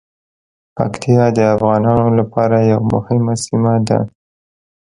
پکتیا د افغانانو لپاره یوه مهمه سیمه ده.